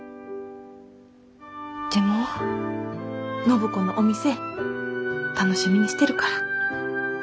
暢子のお店楽しみにしてるから。